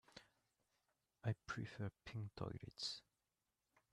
I prefer pink toilets.